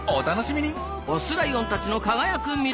オスライオンたちの輝く未来。